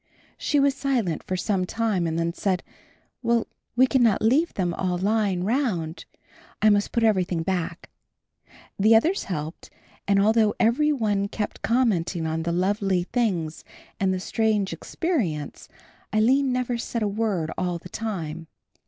She was silent for some time and then said, "Well, we cannot leave them all lying round. I must put everything back." The others helped and, although every one kept commenting on the lovely things and the strange experience, Aline never said a word all the time.